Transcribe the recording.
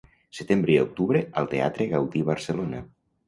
Setembre i octubre al Teatre Gaudí Barcelona.